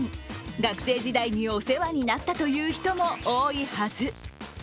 学生時代にお世話になったという人も多いはず。